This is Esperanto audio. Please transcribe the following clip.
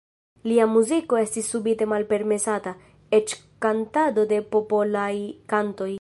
Lia muziko estis subite malpermesata, eĉ kantado de popolaj kantoj.